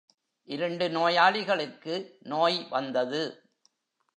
இரண்டு நோயாளிகளுக்கு நோய் வந்தது.